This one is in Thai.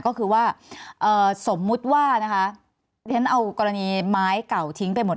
ก็คือว่าสมมุติว่านะคะเรียนเอากรณีไม้เก่าทิ้งไปหมด